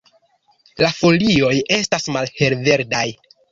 La folioj estas malhelverdaj.